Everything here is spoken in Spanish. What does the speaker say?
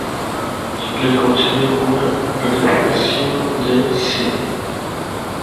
Le concedió una calificación de C-.